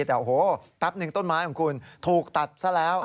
แต่โอ้โหแป๊บหนึ่งต้นไม้ของคุณถูกตัดซะแล้ว